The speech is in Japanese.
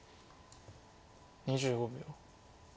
２５秒。